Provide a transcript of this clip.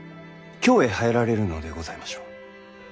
京へ入られるのでございましょう？